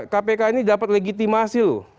kpk ini dapat legitimasi loh